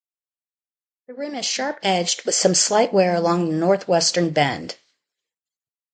The rim is sharp-edged, with some slight wear along the northwestern bend.